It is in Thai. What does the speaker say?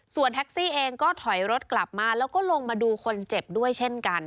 ส่วนแท็กซี่เองก็ถอยรถกลับมาแล้วก็ลงมาดูคนเจ็บด้วยเช่นกัน